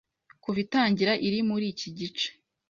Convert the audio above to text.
Kuva itangira iri muri iki gice